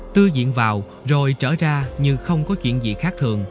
tư diện vào rồi trở ra như không có chuyện gì khác